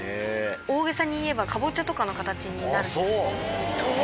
大げさに言えばかぼちゃとかの形になるんです。